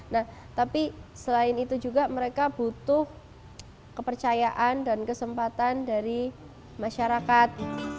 nah tapi selain itu juga mereka butuh kepercayaan dan kesempatan dari masyarakat